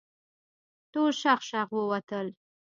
ټول شغ شغ ووتل.